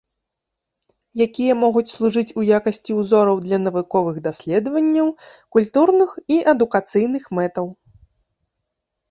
Якія могуць служыць у якасці ўзораў для навуковых даследванняў, культурных і адукацыйных мэтаў.